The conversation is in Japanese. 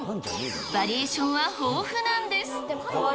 バリエーションは豊富なんです。